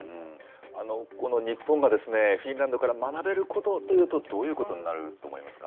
この日本がフィンランドから学べることというと、どういうことになると思いますか。